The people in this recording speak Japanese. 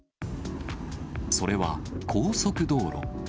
それは高速道路。